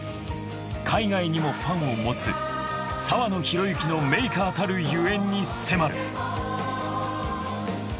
海外にもファンを持つ澤野弘之のＭＡＫＥＲたるゆえんに迫る。